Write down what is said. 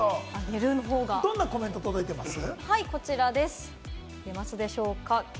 どんなコメントが届いてます？